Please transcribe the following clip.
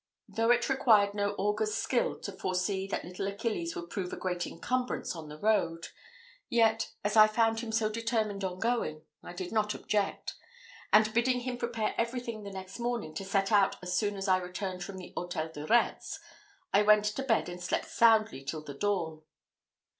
Though it required no augur's skill to foresee that little Achilles would prove a great incumbrance on the road, yet, as I found him so determined on going, I did not object; and bidding him prepare everything the next morning to set out as soon as I returned from the Hôtel de Retz, I went to bed and slept soundly till the dawn.